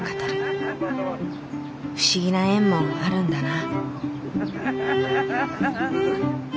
不思議な縁もあるんだな。